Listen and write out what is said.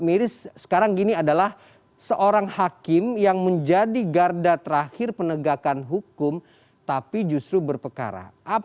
miris sekarang gini adalah seorang hakim yang menjadi garda terakhir penegakan hukum tapi justru berpekara